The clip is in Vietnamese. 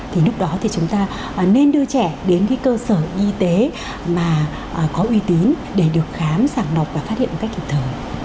thì lúc đó thì chúng ta nên đưa trẻ đến cái cơ sở y tế mà có uy tín để được khám sàng lọc và phát hiện một cách kịp thời